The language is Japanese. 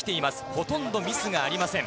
ほとんどミスがありません。